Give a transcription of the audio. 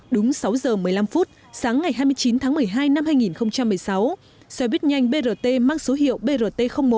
đúng sáu giờ một mươi năm phút sáng ngày hai mươi chín tháng một mươi hai năm hai nghìn một mươi sáu xe buýt nhanh brt mang số hiệu brt một